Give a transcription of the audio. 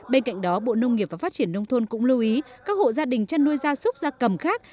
bên cạnh đó bộ nông nghiệp và phát triển nông thôn cũng lưu ý các hộ gia đình chăn nuôi gia súc gia cầm khác